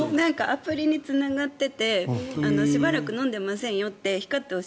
アプリにつながっててしばらく飲んでませんよって水筒が？